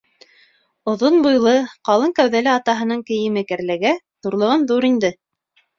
Оҙон буйлы, ҡалын кәүҙәле атаһының кейеме кәрләгә ҙурлығын-ҙур инде.